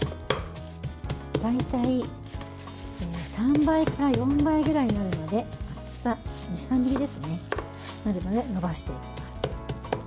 大体、３倍から４倍ぐらいになるまで厚さ２３ｍｍになるまでのばしていきます。